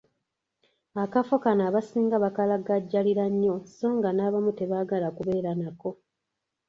Akafo kano abasinga bakalagajjalira nnyo so nga n‘abamu tebaagala kubeera nako.